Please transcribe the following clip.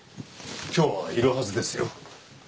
今日はいるはずですよ。